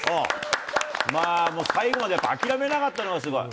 まあもう、最後まで諦めなかったのがすごい。